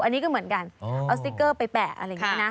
อันนี้ก็เหมือนกันเอาสติ๊กเกอร์ไปแปะอะไรอย่างนี้นะ